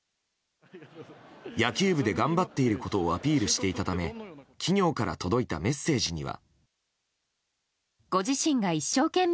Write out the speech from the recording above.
野球部で頑張っていることをアピールしていたため企業から届いたメッセージには。